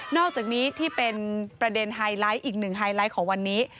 อกจากนี้ที่เป็นประเด็นไฮไลท์อีกหนึ่งไฮไลท์ของวันนี้